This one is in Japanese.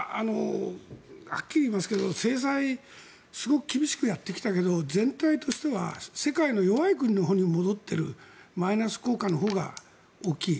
はっきり言いますけど制裁すごく厳しくやってきたけど全体としては世界の弱い国のほうに戻っているマイナス効果のほうが大きい。